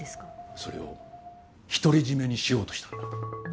それを独り占めにしようとしたんだ。